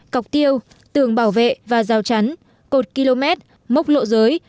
cọc tiêu tường bảo vệ và rào chắn cột km mốc lộ giới